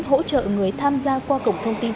hỗ trợ người tham gia qua cổng thông tin